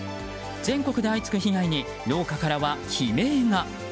全国で相次ぐ被害に農家からは悲鳴が。